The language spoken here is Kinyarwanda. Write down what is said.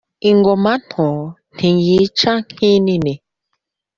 Ingoma nto yica nk’inini